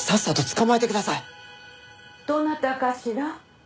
どなたかしら？